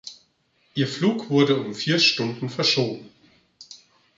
Ihr Flug wurde um vier Stunden verschoben.